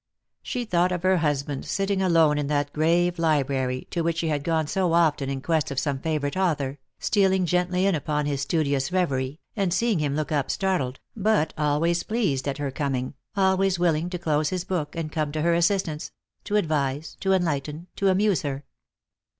She thought of her husband sitting alone in that grave library to which she had gone so often in quest of some favourite author, stealing gently in upon his studious reverie, and seeing him look up stai tled, but always pleased at her com ing, always willing to close his book, and come to her assistance, to advise, to enlighten, to amuse her.